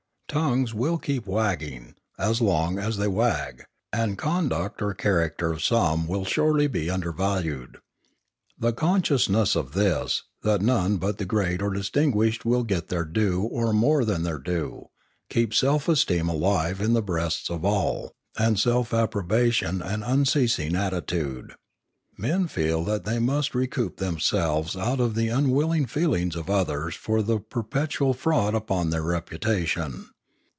Tongues will keep wagging, and as long as they wag, the conduct or character of some will surely be undervalued. The consciousness of this, that none but the great or distinguished will get their due or more than their due, keeps self esteem alive in the breasts of all, and self approbation an unceasing attitude. Men feel that they must recoup themselves out of the un willing feelings of others for the perpetual fraud upon their reputation.